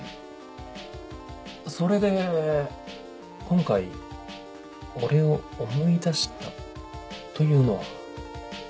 それで今回俺を思い出したというのは？